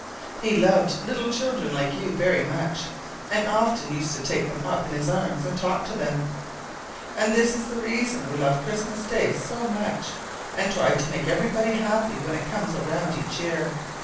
He loved little children like you very much, and often used to take them up in His arms and talk to them. [Pg 67]And this is the reason we love Christmas Day so much, and try to make everybody happy when it comes around each year.